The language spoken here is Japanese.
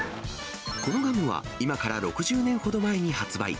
このガムは、今から６０年ほど前に発売。